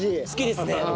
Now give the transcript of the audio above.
好きですね